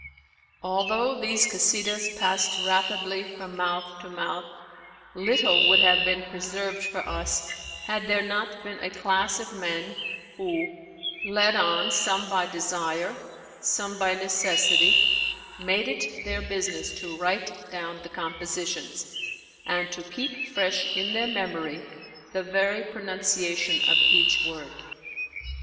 Although these Kasídahs passed rapidly from mouth to mouth, little would have been preserved for us had there not been a class of men who, led on some by desire, some by necessity, made it their business to write down the compositions, and to keep fresh in their memory the very pronunciation of each word.